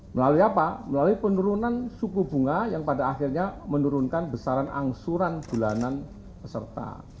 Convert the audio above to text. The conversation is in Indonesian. melalui apa melalui penurunan suku bunga yang pada akhirnya menurunkan besaran angsuran bulanan peserta